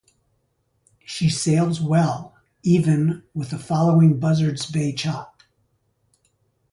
She sails well even with a following Buzzards Bay chop.